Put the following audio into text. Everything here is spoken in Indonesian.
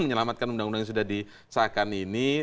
menyelamatkan undang undang yang sudah disahkan ini